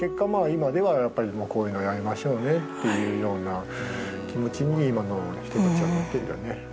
今ではやっぱりこういうのはやめましょうねっていうような気持ちに今の人たちはなってるよね。